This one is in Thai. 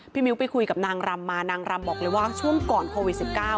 มิ้วไปคุยกับนางรำมานางรำบอกเลยว่าช่วงก่อนโควิด๑๙